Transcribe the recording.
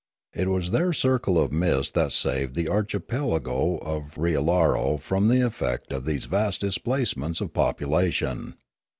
It was their circle of mist that saved the archipelago of Rial laro from the effect of these vast displacements of popu lation.